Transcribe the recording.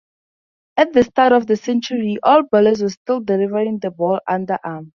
At the start of the century, all bowlers were still delivering the ball under-arm.